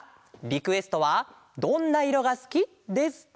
リクエストは「どんな色がすき」です。